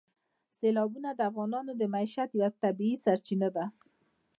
سیلابونه د افغانانو د معیشت یوه طبیعي سرچینه ده.